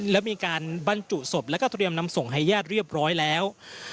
และมีการบรรจุศพแล้วก็เตรียมนำส่งให้ญาติเรียบร้อยแล้ว